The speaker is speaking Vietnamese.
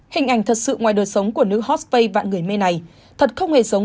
hình ảnh thật sự ngoài đời sống của nữ hot face vạn người mê này thật không hề giống